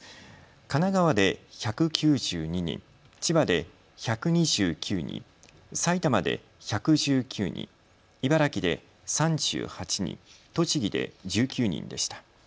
神奈川で１９２人、千葉で１２９人、埼玉で１１９人、茨城で３８人、栃木で１９人でした。